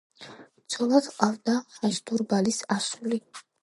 ცოლად ჰყავდა ჰასდრუბალის ასული.